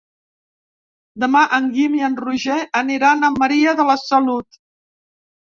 Demà en Guim i en Roger aniran a Maria de la Salut.